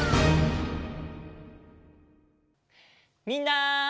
みんな！